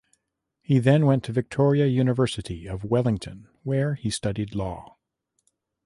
He then went to Victoria University of Wellington, where he studied law.